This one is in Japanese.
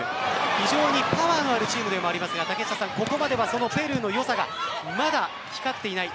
非常にパワーのあるチームでもありますがここまではそのペルーの良さがまだ光っていない。